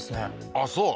ああ、そう。